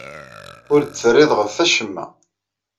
Ur d-terriḍ ɣef wacemma.